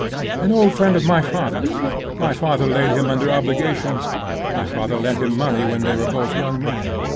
"An old friend of my father's. My father laid him under obligations—my father lent him money when they were both young men.